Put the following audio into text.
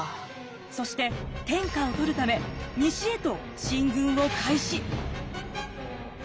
そして天下を取るため西へと進軍を開始。